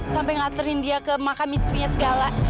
sampai ngaturin dia ke makam istrinya segala